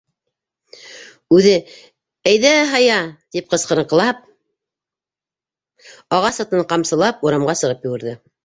Үҙе: — Әйҙә, һая! — тип ҡысҡырыҡлап, ағас атын ҡамсылап, урамға сығып йүгерҙе.